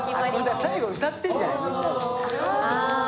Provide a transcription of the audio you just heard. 最後歌ってんじゃないみんなで。